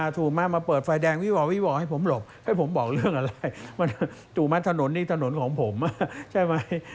ถูกมามาเปิดไฟแดงวิวอวิวอให้ผมหลบให้ผมบอกเรื่องอะไรถูกมาถนนนี่ถนนของผมใช่ไหม